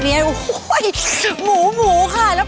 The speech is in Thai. ขอบคุณครับ